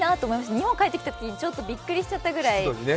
日本に帰ってきたとき、ちょっとびっくりしちゃったぐらい。